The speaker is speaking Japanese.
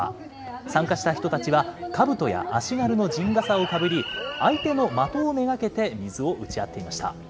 参加した人たちは、かぶとや足軽の陣がさをかぶり、相手の的を目がけて水を撃ち合っていました。